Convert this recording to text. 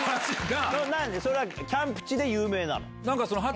それはキャンプ地で有名なの？